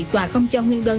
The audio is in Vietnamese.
tòa không cho nguyên đơn